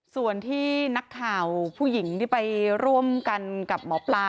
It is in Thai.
ส่วนที่นักข่าวผู้หญิงที่ไปร่วมกันกับหมอปลา